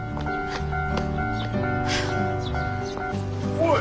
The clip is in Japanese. おい！